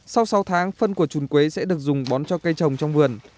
sau sáu tháng phân của chuồn quế sẽ được dùng bón cho cây trồng trong vườn